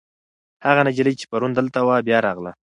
هغه نجلۍ چې پرون دلته وه، بیا راغله.